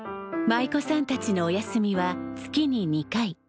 舞妓さんたちのお休みは月に２回。